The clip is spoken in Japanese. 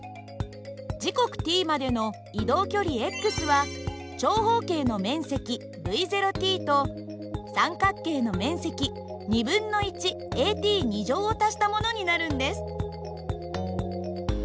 時刻ｔまでの移動距離は長方形の面積υｔと三角形の面積ａｔを足したものになるんです。